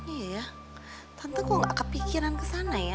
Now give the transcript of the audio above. iya tante kok gak kepikiran kesana ya